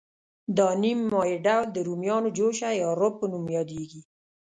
دا نیم مایع ډول د رومیانو جوشه یا روب په نوم یادیږي.